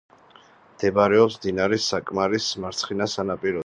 მდებარეობს მდინარე საკმარის მარცხენა სანაპიროზე.